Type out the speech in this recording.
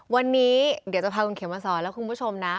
วันนี้เดี๋ยวจะพาคุณเขมมาสอนและคุณผู้ชมนะ